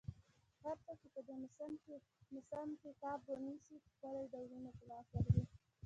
هر څوک چي په دې موسم کي کب نیسي، ښکلي ډولونه په لاس ورځي.